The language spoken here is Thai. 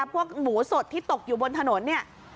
พวกหมูสดที่ตกอยู่บนถนน